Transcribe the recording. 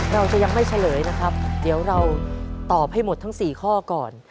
เราจะยังไม่เฉลยนะครับเดี๋ยวเราตอบให้หมดทั้ง๔ข้อก่อน